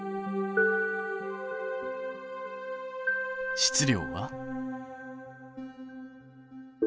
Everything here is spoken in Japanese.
質量は？